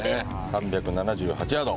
３７８ヤード。